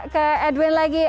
ke edwin lagi